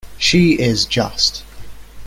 She is just.